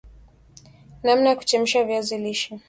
namna ya kuchemsha viazi lishe